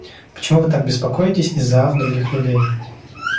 Почему вы так беспокоитесь из-за ав других людей?